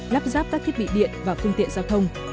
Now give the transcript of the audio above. lắp ráp các thiết bị điện và phương tiện giao thông